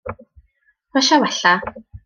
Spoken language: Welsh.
Brysia wella.